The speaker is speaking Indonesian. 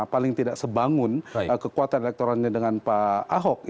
paling tidak sebangun kekuatan elektorannya dengan pak ahok